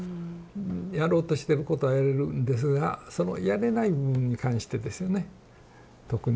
やろうとしてることはやれるんですがそのやれない部分に関してですよね特に。